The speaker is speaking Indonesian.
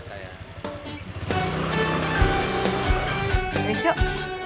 selamat malam cuk